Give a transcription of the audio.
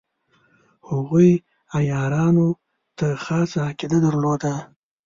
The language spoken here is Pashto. هغوی عیارانو ته خاصه عقیده درلوده.